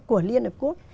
của liên hợp quốc